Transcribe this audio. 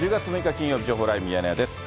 金曜日、情報ライブミヤネ屋です。